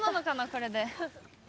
これで。